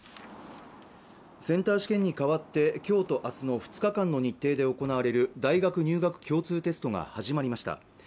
センター試験に代わってきょうとあすの２日間の日程で行われる大学入学共通テストが始まりました